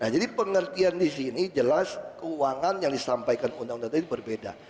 jadi pengertian di sini jelas keuangan yang disampaikan undang undang tadi berbeda